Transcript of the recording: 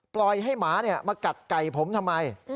ปล่อยให้หมามากัดไก่ผมทำไม